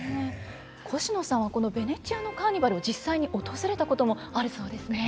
コシノさんはこのベネチアのカーニバルを実際に訪れたこともあるそうですね。